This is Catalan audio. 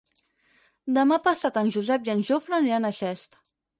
Demà passat en Josep i en Jofre aniran a Xest.